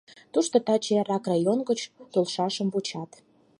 Тушто таче-эрлак район гыч толшашым вучат.